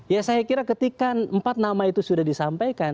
ya saya kira ketika empat nama itu sudah disampaikan